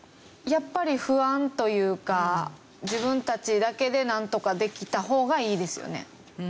やっぱり不安というか自分たちだけでなんとかできた方がいいですよね。